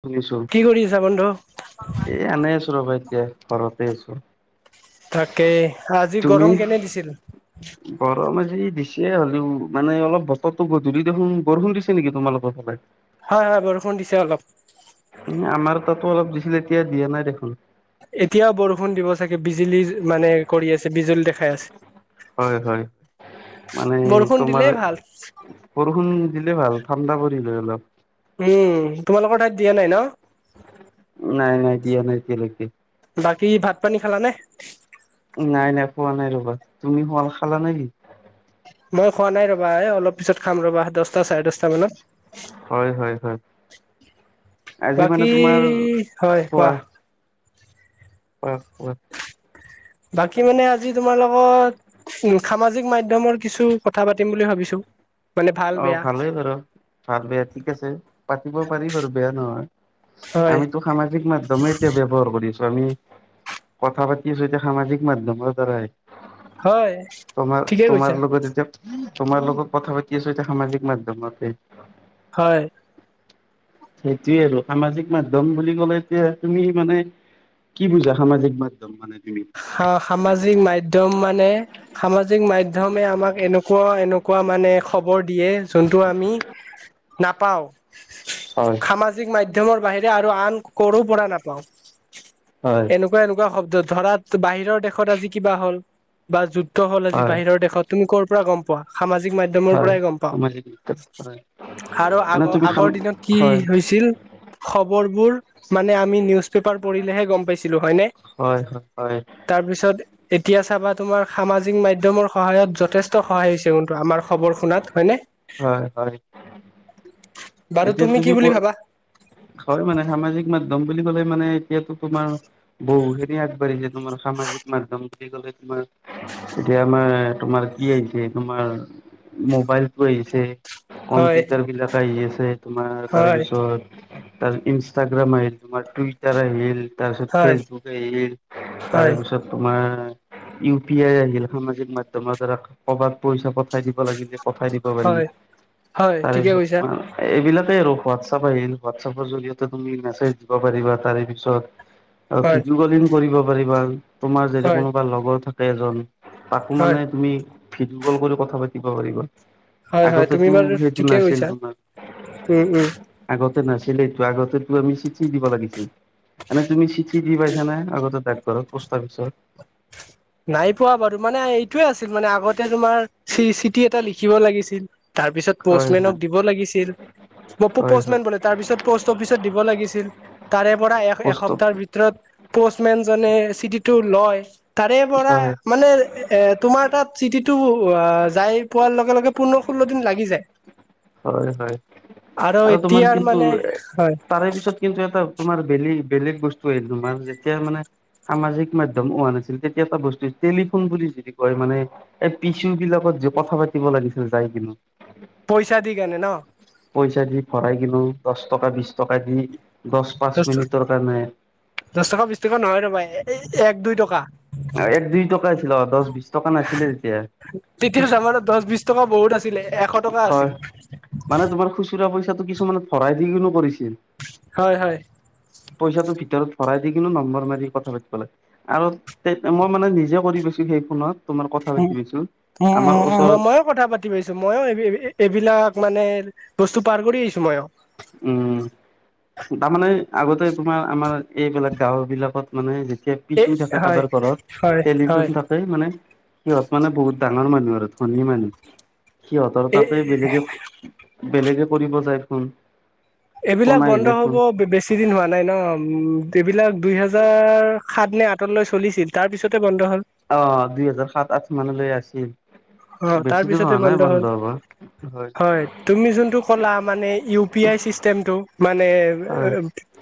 শুনিছো। কি কৰি আছা বন্ধু? এ আনে আছো ৰবা এতিয়া ঘৰতে আছো। তাকেই আজি তুমি গৰম কেনে দিছিল? পিছে হ'লেও মানে অলপ বতৰ তো গধূলি দেখোন বৰষুণ দিছে নেকি তোমালোকৰ ফালে? হয়, হয় বৰষুণ দিছে অলপ। এ আমাৰো তাতো অলপ দিছিলে এতিয়া দিয়া নাই দেখোন। এতিয়াও বৰষুণ দিব চাগে বিজুলী মানে কৰি আছে বিজুলী দেখাই আছে। হয় হয়, মান বৰষুণ তোমাৰ দিলেই ভাল। বৰষুণ দিলে ভাল ঠাণ্ডা পৰিলে অলপ। উম তোমালোকৰ ঠাইত দিয়া নাই ন? নাই নাই দিয়া নাই এতিয়ালৈকে। বাকী ভাত পানী খালানে। নাই নাই খোৱা নাই আৰু ভাত তুমি শোৱাল খালা নেকি। মই খোৱা নাই ৰবা এ অলপ পিছত খাম ৰবা দহটা চাৰে দহটা মানত। হয় হয় হয় আজি মানে বাকী তোমাৰ হয় কোৱা। উম্ খোৱা। বাকী মানে আজি তোমাৰ লগত। সামাজিক মাধ্যমত কিছু কথা পাতিম বুলি ভাবিছোঁ। অ ভালেই বাৰু ভাল বেয়া ঠিক আছে পাতিব পাৰিম বাৰু বেয়া নহয়। হয় আমিতো সামাজিক মাধ্যমে এতিয়া ব্যৱহাৰ কৰি আছোঁ। আমি কথা পাতি আছোঁ সামাজিক মাধ্যমৰ দ্বাৰাই। হয় তোমাৰ ঠিকে কৈছা তোমাৰ লগত এতিয়া। তোমাৰ লগত কথা পাতি আছোঁ এতিয়া সামাজিক মাধ্যমতে। হয়। সেইটোয়ে আৰু সামাজিক মাধ্যম বুলি কলে এতিয়া তুমি মানে। কি বুজা সামাজিক মাধ্যম মানে। তুমি সামাজিক মাধ্যমত মানে সামাজিক মাধ্যম। মাধ্যমে আমাক এনেকুৱা এনেকুৱা মানে খবৰ দিয়ে যোনটো আমি। নাপাওঁ। হয় সামাজিক মাধ্যমৰ বাহিৰে আৰু আন কৰ পৰা নাপাওঁ। হয় এনেকুৱা এনেকুৱা শব্দ ধৰাত বাহিৰৰ দেশত আজি কিবা হ'ল বা যু ত হল আজি হয় বাহিৰৰ দেশত তুমি কৰ পৰা গম পোৱা, সামাজিক মাধ্যমৰ হয় পৰাই গম পাওঁ। সামাজিক মাধ্যম হয় আৰু মানে আগৰ তুমি সাম আগৰ দিনত কি হয় হৈছিল খবৰ বোৰ মানে আমি নিউজ পেপাৰ পঢ়িলেহে গম পাইছিলোঁ। হয় হয় হয়। তাৰপিছত এতিয়া চাবা তোমাৰ সামাজিক মাধ্যমত সহায়ত যথেষ্ট সহায় হৈছে কিন্তু আমাৰ খবৰ শুনাত হয়নে? হয় হয়। বাৰু এতিয়া কি তুমি ক, বুলি ভাবা? হয় মানে সামাজিক মাধ্যম লম বুলি কলে মানে এতিয়াতো তোমাৰ বহুখিনি আগবাঢ়িছে তোমাৰ সামাজিক মাধ্যম বুলি কলে। মা, এতিয়া আমাৰ তোমাৰ কি আহিছে তোমাৰ মোবাইলতো আহিছে, হয়, কম্পিউটাৰবিলাক আহি আছে তোমাৰ হয়, তাৰপিছত তাৰ ইনষ্টাগ্ৰাম আহিল, তোমাৰ টুইটাৰ আহিল। তাৰপিছত হয়, ফেচবুক আহিল, তাৰে হয়, পিছত তোমাৰ ইউ পি আই আহিল, সামাজিক মাধ্যমৰ দ্বাৰাই কৰবাত পইচা পঠাই দিব লাগিলে। পঠাই দিব পাৰি, হয়, হয়, তাৰে ঠিকে পিছত কৈছা। তোমাৰ এইবিলাকে আৰু হোৱাটছ আপ আহিল, হোৱাটছআপৰ জৰিয়তে তুমি মেছেজ দিব পাৰিবা তাৰে পিছত আৰু হয়, ভিডিঅ' কলিং কৰিব পাৰিবা তোমাৰ যদি হয়, কোনোবা ভাল লগৰ থাকে এজন। তাকো হয়, মানে তুমি ভিডিঅ' কল কৰি কথা পাতিব পাৰিবা। হয় হয় তুমি আগতেতো বাৰু সেইটো ঠিকেই নাছিল কৈছা উম উম। নাছিলেই ত আগতে আমি চিঠি দিব লাগিছিল। মানে তুমি চিঠি দি পাইছা নে আগতে ডাকঘৰত পষ্ট অফিচত? নাই পোৱা বাৰু মানে এইটোৱে আছিল মানে আগতে তোমাৰ চি- চিঠি এটা লিখিব লাগিছিল তাৰ পিছত হয় প'ষ্টমেনক হয় দিব লাগিছিল। বপো হয় হয় পষ্টমেন বলে তাৰ পিছত প'ষ্ট অফিচত দিব লাগিছিল, তাৰে পৰা পোষ্ট এসপ্তাহৰ ভিতৰত পষ্টমেন। জানে, চিঠিটো লয়। তাৰেপৰা হয় মানে, এ, তোমাৰ তাত চিঠিটো যাই পোৱাৰ লগে, লগে। পোন্ধৰ, ষোল্ল দিন লাগি যায়। হয়, হয় আৰু তোমাৰ এতিয়াৰ কিন্তু, মানে হয় তাৰে পিছত কিন্তু, এটা তোমাৰ বেলেগ, বেলেগ বস্তুৱে। তোমাৰ যেতিয়া মানে, সামাজিক মাধ্যম হোৱা নাছিল তেতিয়া এটা বস্তু টেলিফোন বুলি যদি কয় মানে এই পিছু বিলাকত যে কথা পাতিব লাগিছিল যায় কিনো। পইচা দি কেনে ন। পইচা দি ভৰাই কিলো দশ টকা বিশ টকা দি দশ -পাঁচ দহ মিনিটৰ কাৰণে এই এক দুই টকা। এক- দুই টকা আছিলে অ দশ -বিশ টকা নাছিলে তেতিয়া। তেতিয়া জামাণৰ দশ -বিশ টকা বহুত আছিলে। এশ টকা আছিল হয়, মানে তোমাৰ খুচুৰা পই পিছত তো কিছুমানত ভৰাই দি কৰিছিল, হয় হয় পইচাটোৰ ভিতৰত ভৰাই দি কিনো নম্বৰ মাৰি কথা পাতিবলে, আৰু মই মানে নিজে কৰি পাইছো সেই ফোনত। তোমাৰ কথা উ পাতি পাইছো উম আমাৰ ওচৰত উম ময়ো কথা পাতি পাইছো মই এ এইবিলাক মানে বস্তু পাৰ কৰি আহিছো মই আ উম। তাৰমানে আগতে তোমাৰ আমাৰ এইবিলাক গাঁওবিলাকত মানে এ কেবপিছু থাকে হয় কাৰোবাৰ ঘৰত, হয় হয় টেলিফোন থাকে মানে সিহত মানে বহুত ডা ডাঙৰ মানুহ আৰু ধনী মানুহ, সিহঁতৰ এই তাতে বেলেগে বেলেগে কৰিব যায় ফোন। ফোন এইবিলাক বন্ধ আহিলে ফোন হব বেছি দিন হোৱা নাই ন উম এইবিলাক দুই হেজাৰ সাত নে, আঠ লৈ চলিছিল। তাৰ পিছতে, বন্ধ হ'ল অ'! দুই হোজাৰ, সাত, আঠ মানলৈ আছিল। অ'! বেছি দূৰ তাৰপিছতে হোৱা নাই বন্ধ হ'ল। হ'ব হয়। তুমি যোনটো ক'লা! মানে, ইউ পি আই চিষ্টেমটো মানে, হয়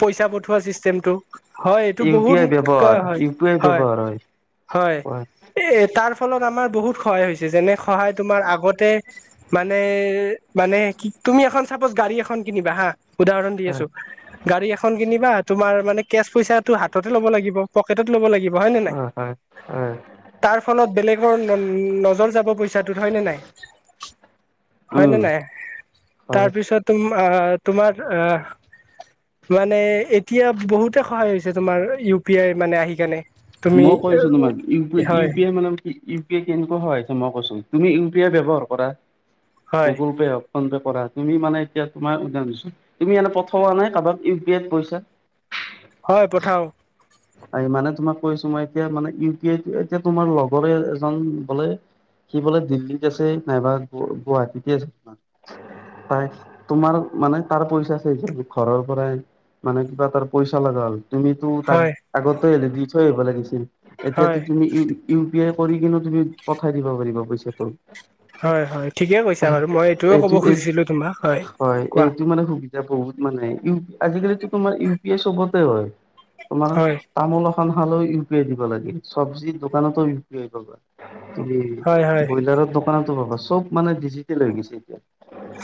পইচা পঠোৱা চিষ্টেম। হয়, এইটো ইউ পি বহুত আই ক' ব্যৱহাৰ হয়, ইউ পি আই হয়, ব্যৱহাৰ হয়। এ, তাৰ ফলত আমাৰ বহুত সহায় হৈছে। যেনে সহায় তোমাৰ, আগতে মানে, মানে, তুমি এখন চাপছ গাড়ী এখন কিনিবা হা! উদাহৰণ দি হয় আছোঁ, গাড়ী এখন কিনিবা তোমাৰ মানে, কেচ পইচাটো হাততে ল'ব লাগিব। পকেটত [unintelligible] ল'ব লাগিব। হয় নে নাই? হয় হয় তাৰফলত, বেলেগৰ ন' নজৰ যা [unintelligible] হয় নে নাই? হয় নে উম নাই? হয় তাৰপিছত তোমাৰ অ'! মানে, এতিয়া বহুতে সহায় হৈছে তোমাৰ। ইউ পি আই মানে, আহি কেনে। তুমি মই কৈছোঁ তোমাক! ই ইউ হয় পি আই মানে কি? ইউ পি আই কেনেকোৱা হয়। মই কৈছোঁ! তুমি ইউ পি আই ব্যৱহাৰ কৰা। হয় গুগল পে' হওঁক ফোন পে কৰা। তুমি মানে, এতিয়া তোমাৰ [unintelligible] তুমি প্ৰথম নাই কাৰোবাক ইউ পি আইত পইচা হয়, পঠাওঁ। কৈছোঁ। মই এতিয়া মানে, ই পি আই এতিয়া তোমাৰ লগৰে এজন বোলে সি বোলে, দিল্লীত আছে নাইবা গু, গুৱাহাটীতে আছে তাই তোমাৰ মানে, তাৰ পইচা চইচা, ঘৰৰ পৰাই মানে, কিবা তাৰ পইচা লাগা হ'ল। তুমিতো, তাক হয় আগতে দি থৈ আহিব লাগিছিল। এতিয়াতো হয় তুমি পে কৰি কিনেও তুমি পঠাই দিব পাৰিবা পইচাটো। হয় হয় ঠিকে কৈছা বাৰু মই এইটোয়ে ক'ব এইটো, এই, খুজিছিলো তোমাক হয়। কোৱা এইটো মানে, সুবিধা বহুত মানে। আজিকালিটো তোমাৰ ইউ পি আই চবতে হয়। তোমাৰ হয় [unintelligible] খন হালও ইউ পি আই দিব লাগে চবজি দোকানতো ইউ পি আই পাবা। তুমি হয় হয় ব্ৰইলাৰৰ দোকানতো পাবা চব মানে ডিজিটেল হৈ গৈছে এতিয়া।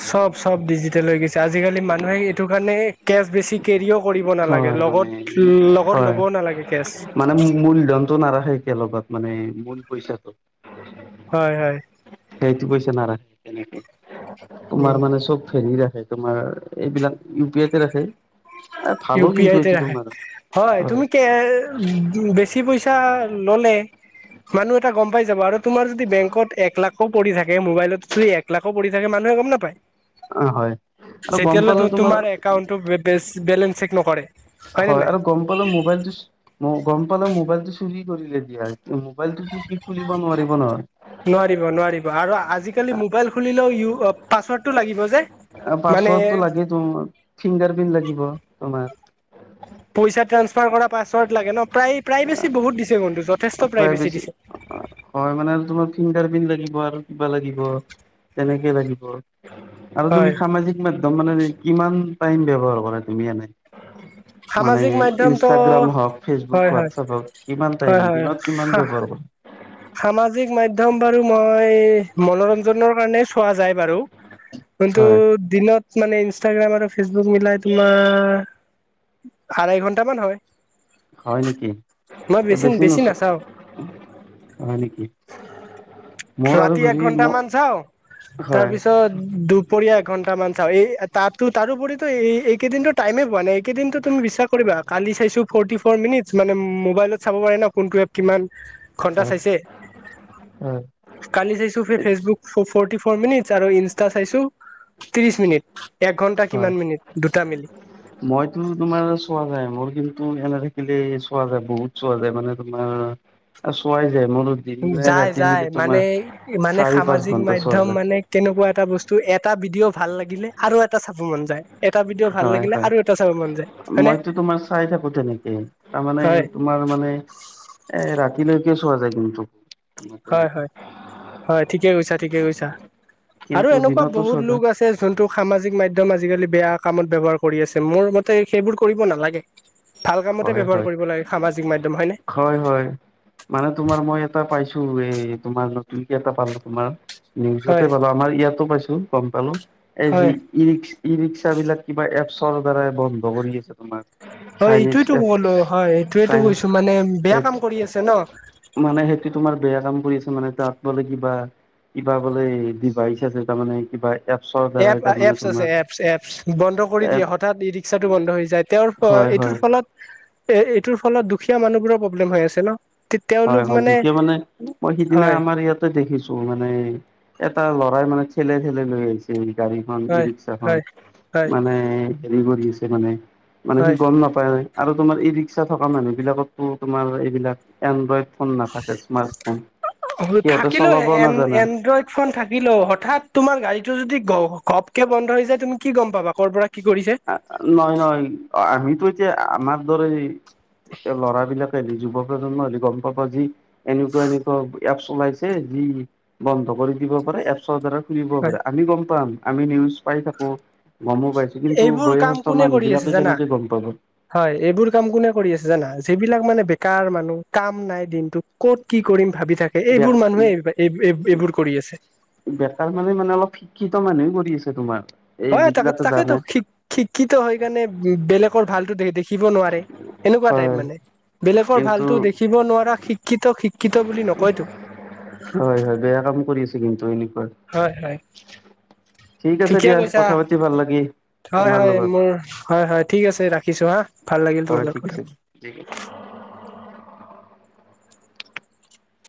চব চব ডিজিটেল হৈ গৈছে আজিকালি মানুহে এইটো কাৰণে কেছ বেছি কেৰিও কৰিব নালাগে হয় মানে লগত লগত ল'বও নালাগে কেছ। টো নাৰাখে একেলগত মানে মল পইছাটো। হয়, হয়। সেইটো পইচা নাৰাখে তেনেকে। উম তোমাৰ মানে, চব হেৰি ৰাখ তোমাৰ, এইবিলাক ইউ পি আইতে ৰাখে। ইউ ভালোঁ পি কিন্তু, আইতে এইটো ৰাখে তোমাৰ। হয়। তুমি কে বেছি পইচা ল'লে [inaudible] মানুহ এটা গম পাই যাব আৰু তোমাৰ যদি বেংকত এক লাখো পৰি থাকে। মোবাইলত যদি এক লাখো পৰি থাকে মানুহে গম নাপায়। অ হয় আৰু গম পালো তেতিয়াহ'লে তোমাৰ একাউণ্টো বে, বেলেঞ্চ চেক নকৰে। নে হয় নাই আৰু গম পালোঁ মোবাইলটো, গম পালোঁ, মোবাইলটো চুৰি কৰিলে দিয়া। মোবাইলটোতো সি খুলিব নোৱাৰিব নহয়। নোৱাৰিব, নোৱাৰিব আৰু আজিকালি, মোবাইল খুলিলেও ইউ অ' পাছপৰ্ডটো লাগিব। যে মানে পাছপৰ্ডটো লাগে তোমাৰ, ফিংগাৰ প্ৰিণ্ট লাগিব তোমাৰ। পইচা ট্ৰাঞ্চফাৰ কৰা পাছৱৰ্ড লাগে ন'! প্ৰাই, প্ৰাইভেচী বেছি বহুত দিছে বন্ধু। অ'! প্ৰাইভেচী, হয়! মানে, তোমাৰ ফিংগাৰ প্ৰিন্ট লাগিব আৰু কিবা লাগিব, তেনেকে লাগিব। আৰু তুমি হয় সামাজিক মাধ্যম মানে, কিমান টাইম ব্যৱহাৰ কৰা তুমি এনে? মানে, সামাজিক মাধ্যমটো ইনষ্টাগ্ৰাম হওঁক, ফেচবুক হয় হয় হোৱাটছএপ হওঁক, কিমান টাইম? হয় হয় দিনত কিমান ব্যৱহাৰ কৰা? সামাজিক মাধ্যম বাৰু মই মনোৰঞ্জনৰ কাৰণে চোৱা যায় বাৰু। কিন্তু, হয়, দিনত মানে ইনষ্টাগ্ৰাম আৰু ফেচবুক মিলাই তোমাৰ আঢ়াই ঘন্টামান হয়। হয় নেকি এই বেছি নচ। হয় নেকি। মোৰ আৰু ৰাতি এক ঘূৰি ম ঘন্টা মান চাও। হয়, তাৰপিছত দুপৰীয়া এঘন্টামান চাওঁ এই তাত ত' তাৰোপৰিতো এইকেইদিনটো টাইমে পোৱা নাই এইকেইদিনতো তুমি বিশ্বাস কৰিবা কালি চাইছো ফটি ফ' মিনিট। মানে মোবাইলত চাব পাৰে ন কোনটো এপ কিমান। ঘন্টা হয়, চাইছে হয়, কালি চাইছো ফে ফেচবুক। ফৰ্টি ফৰ মিনিট আৰু ইনষ্টা চাইছো ত্ৰিশ মিনিট। এক ঘন্টা হয় কিমান মিনিট দুটা মিলি মইতো তোমাৰ চোৱা যায় মোৰ কিন্তু এনে থাকিলে চোৱা যায় বহুত চোৱা যায় মানে তোমাৰ চোৱা। যায় যায় মানে মানে চাৰি পাঁচ সামাজিক ঘন্টা চোৱা মাধ্যম যায় মানে কেনেকুৱা এটা বস্তু। এটা ভিডিঅ' ভাল লাগিলে আৰু এটা চাব মন যায় এটা ভিডিঅ' ভাল হয় লাগিলে হয়। আৰু এটা চাব মন যায় হয়নে মইতো তোমাৰ চাই থাকো তেনেকে তাৰমানে হয় তোমাৰ মানে। এ ৰাতিলৈকে চোৱাা যায় কিন্তু। তোমাৰ হয় তেনেকে হয় হয় ঠিকে কৈছা ঠিকে কৈছা। আৰু কিন্তু এনেকুৱা দিনতো বহুত চোৱা লোক যায় আছে যোনটোক সামাজিক মাধ্যম আ আজিকালি বেয়া কামত ব্যৱহাৰ কৰি আছে মোৰ মতে সেইবোৰ কৰিব নালাগে। ভাল কামতে হয় ব্যৱহাৰ হয় কৰিব লাগে সামাজিক মাধ্যম হয়নে? হয় হয় মানে তোমাৰ মই এটা পাইছো। তোমাৰ নতুন কেই এটা পালোঁ তোমাৰ নিউজতে হয় পালোঁ আমাৰ ইয়াতো পাইছো গম পালোঁ। এই যি হয় ই ৰিক্স ই ৰিক্সা বিলাক কিবা এপছৰ দ্বাৰাই বন্ধ কৰি আছে তোমাৰ। হয় চাইনিজ এইটোয়ো এপ কলো হয় এইটোয়ো কৈছো চাই মানে বেয়া কাম কৰি আছে ন। মানে সেইটো তোমাৰ বেয়া কাম। কৰি আছে মানে তাত বোলে কিবা কিবা বোলে দিবা আহিছে তাৰমানে কিবা এপছৰ এপ দ্বাৰাই তাৰমানে এপছ আছে তোমাৰ এপছ এপছ বন্ধ কৰি এপ দিয়ে হঠাৎ ই ৰিক্সাটো বন্ধ হৈ যায় তেওঁৰ ফ হয় এইটোৰ হয় ফলত এ এইটোৰ ফলত দুখীয়া মানুহবোৰৰ প্ৰব্লেম হৈ আছে ন হয় হয় গতিয়া মানে মই সিদিনা হয় আমাৰ ইয়াতে দেখিছো মানে এটা লৰা প্ৰায় মানে ঠেলে ঠেলে লৈ আহিছে গাড়ী খ ই হয় ৰিক্সা খন হয় হয় মানে হেৰি কৰি আছে মানে মানে সি হয় গম নাপায় নাই আৰু তোমাৰ এই ৰিক্সা থকা মানুহ বিলাকতো তোমাৰ এইবিলাক এনড্ৰইড ফোন নাথাকে স্মাৰ্ট ফোন থাকিলো এ এড্ৰইড ফোন থাকিলো হঠাৎ তোমাৰ গাড়ী টো যদি ঘপকে বন্ধ হৈ যায় তুমি কি গ'ম পাবা কৰ' পৰা কি কৰিছে নয় নহয় আমিতো এতিয়া আমাৰ দৰে লৰাবলাকে হলে যুৱ প্ৰজন্ম হল গম পাবা যি এনেকুৱা এনেকুৱা এপছ ওলাইছে যি বন্ধ কৰি দিব পাৰে এপছৰ দ্বাৰা পাৰে আমি গম পাম আমি নিউজ পাই থাকো গমো পাইছো কিন্তু এইবোৰ কাম বয়োজ্যেষ্ঠ কোনে মানুহ কৰি আছে বিলাকে জানা কেনেকে গম পাব হয় এইবোৰ কাম কোনে কৰি আছে জানা যিবিলাক মানে মানে বেকাৰ মানুহ কাম নাই দিনটোত ক'ত কি কৰিম ভাবি থাকে বে এইবোৰ মানুহে এই এই এইবোৰ কৰি আছে বেটাৰ মানে মানে অলপ শিক্ষিত মানুহে কৰি আছে তোমাৰ এই হয় তাকে যিবিলাকে তাকেতো জানে শ শিক্ষিত হৈ কাৰণে বেলেগৰ ভালতো দেখিব নোৱাৰে এনেকুৱা টাইপ হয় মানে বেলেগৰ কিন্তু ভালতো দেখিব নোৱাৰা শিক্ষিত শিক্ষিত বুলি নকয়তো হয় হয় বেয়া কাম কৰি আছে কিন্তু এনে হয় হয় ঠিক আছে ঠিকে দিয়া কৈছা কথা পাতি ভাল লাগি হয় হয় মোৰ হয় হয় ঠিক আছে ৰাখিছো হা ভাল লাগিল হয় তোমাৰ লগ ঠিক আছে কথা [unintelligible]